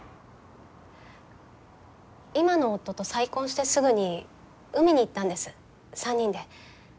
今の夫と再婚してすぐに海に行ったんです３人で。